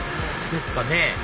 ですかね